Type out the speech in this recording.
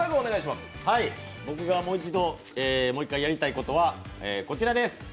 僕がもう一回やりたいことは、こちらです。